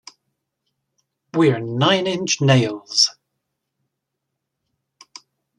We're Nine Inch Nails.